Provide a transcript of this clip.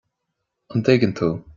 an dtuigeann tú